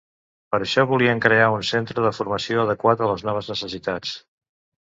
Per això volien crear un centre de formació adequat a les noves necessitats.